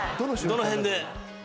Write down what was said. どの辺で？